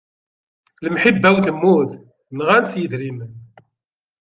Lemḥibba-w temmut, nɣan-tt yedrimen.